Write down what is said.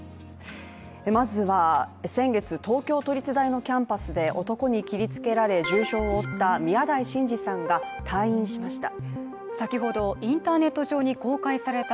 まずは先月東京都立大のキャンパスで男に切りつけられ重傷を負った宮台真司さんが退院しました。